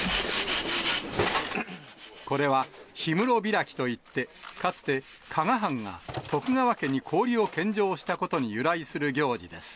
これは氷室開きといって、かつて加賀藩が徳川家に氷を献上したことに由来する行事です。